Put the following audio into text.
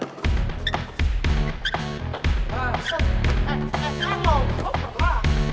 eh eh eh jangan lo